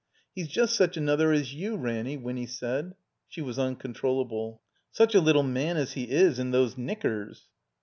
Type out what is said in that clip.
"He's just such another as you, Ranny,'? Winny said. (She was uncontrollable !)'' Such a little man as he is, in those knickers."